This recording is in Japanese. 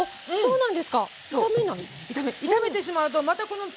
うん。